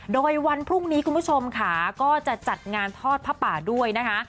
โดยวันพรุ่งนี้คุณผู้ชมค่ะก็จะจัดงานทอดผ้าป่าด้วยนะคะ